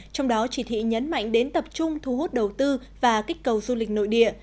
trong đó chỉ thị nhấn mạnh đến tập trung thu hút đầu tư và kích cầu du lịch nội địa